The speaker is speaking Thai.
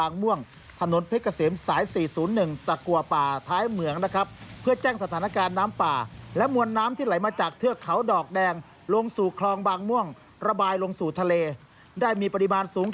น้ำผ่านใหญ่เลยนะครับ